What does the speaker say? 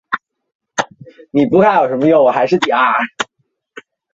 短促京黄芩为唇形科黄芩属下的一个变种。